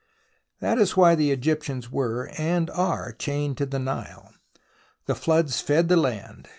That is why the Egyptians were — and are — chained to the Nile. The floods fed the land.